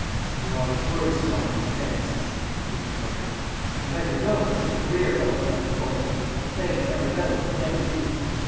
"'You always were strong on fancies,' he retorted. 'You might have known that with the career opening up before you a plain Arabella would never do.